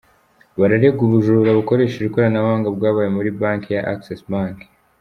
Bararegwa ubujura bukoresheje ikoranabuhanga bwabaye muri banki ya Access Bank.